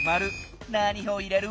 なにをいれる？